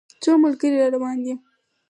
څو ملګري را روان دي.